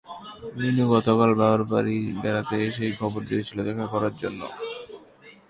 মিনু গতকাল বাবার বাড়ি বেড়াতে এসেই খবর দিয়েছিল দেখা করার জন্য।